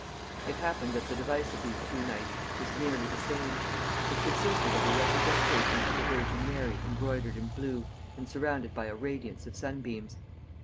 It happened that the device of these two knights was nearly the same. It consisted of a representation of the Virgin Mary embroidered in blue, and surrounded by a radiance of sunbeams.